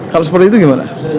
kalau seperti itu gimana